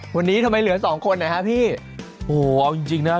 วันนี้ทำไมเหลือสองคนนะฮะพี่โอ้โหเอาจริงจริงนะ